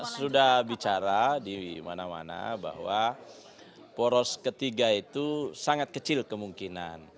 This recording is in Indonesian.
sudah bicara di mana mana bahwa poros ketiga itu sangat kecil kemungkinan